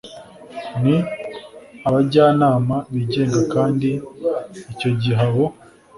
n abajyanama bigenga kandi icyo gihe abo